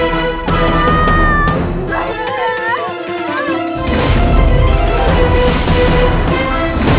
semoga semua kalian menikmatinya